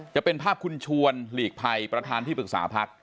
จะเป็นภาพคุณชวนหลีกภัยประธานที่ปรึกษาพัก